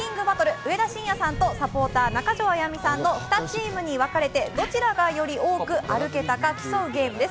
上田晋也さんとサポーターの中条あやみさんの２チームにわかれてどちらがより多く歩けたか競うゲームです。